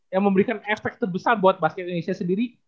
yang memberikan efek terbesar buat basket indonesia sendiri